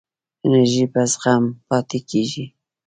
انرژی په زغم پاتې کېږي.